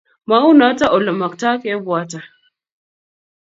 maunoto olamaktoi kebwata